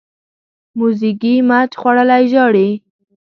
موزیګی مچ خوړلی ژاړي.